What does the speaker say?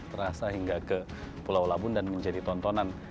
terasa hingga ke pulau labun dan menjadi tontonan